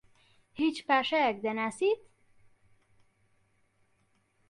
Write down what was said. هیچ پاشایەک دەناسیت؟